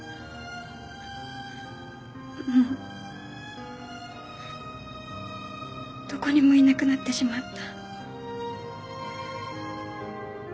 もうどこにもいなくなってしまった